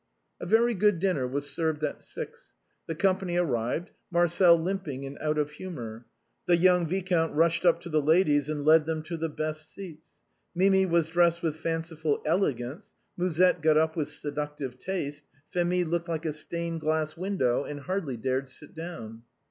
A very good dinner was served at six. The company arrived, Marcel limping and out of humor. The young viscount rushed up to the ladies and led them to the best seats. Mimi was dressed with fanciful elegance; Musette got up with seductive taste; Phémie looked like a stained glass window, and hardly dared sit down.